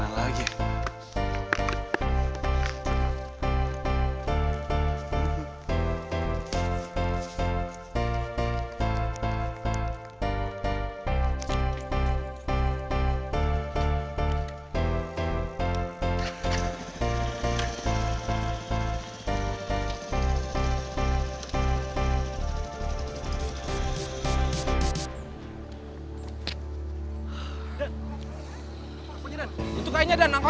terima kasih pak